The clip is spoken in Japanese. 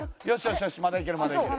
まだいけるまだいける。